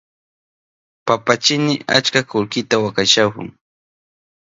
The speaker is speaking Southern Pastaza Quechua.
Papachini achka kullkita wakaychahun.